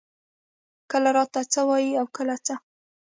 کله راته څۀ وائي او کله څۀ ـ